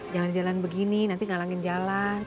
jangan jalan begini nanti ngalangin jalan